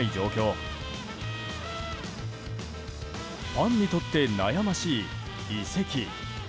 ファンにとって悩ましい移籍。